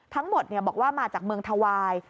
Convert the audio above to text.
ทั้งหมดบอกว่ามาจากเมืองทวาย